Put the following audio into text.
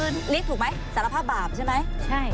นี่ถูกไหมสารภาพบาปใช่ไหม